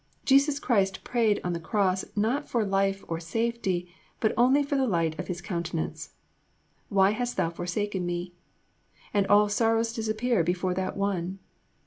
Jesus Christ prayed on the Cross not for life or safety, but only for the light of His countenance: Why hast Thou forsaken me? And all sorrows disappear before that one.